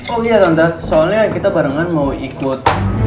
oh iya tante soalnya kita barengan mau ikut